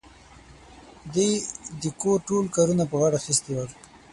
دې د کور ټول کارونه په غاړه اخيستي ول.